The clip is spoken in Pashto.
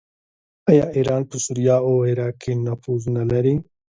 آیا ایران په سوریه او عراق کې نفوذ نلري؟